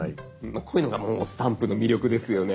こういうのがもうスタンプの魅力ですよね。